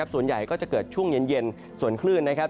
ส่วนใหญ่ก็จะเกิดช่วงเย็นส่วนคลื่นนะครับ